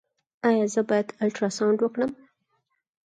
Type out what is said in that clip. ایا زه باید الټراساونډ وکړم؟